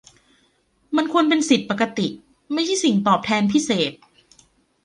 มันควรเป็นสิทธิปกติ ไม่ใช่สิ่งตอบแทนพิเศษ